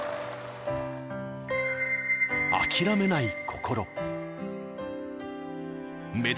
諦めない心。